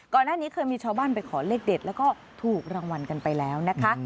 ก่อนหน้านี้เคยมีชาวบ้านไปขอเลขเด็ดแล้วก็ถูกรางวัลกันไปแล้วนะคะ